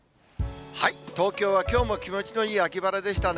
東京はきょうも気持ちのいい秋晴れでしたね。